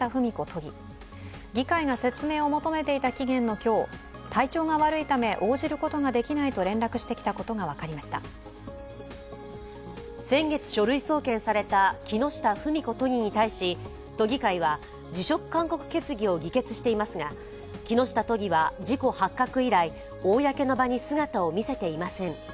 議会が説明を求めていた期限の今日、体調が悪いため応じることができないと連絡してきたことが分かりました先月、書類送検された木下富美子都議に対し都議会は辞職勧告決議を議決していますが、木下都議は事故発覚以来、公の場に姿を見せていません。